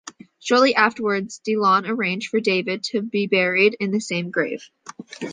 Shortly afterwards, Delon arranged for David to be buried in the same grave.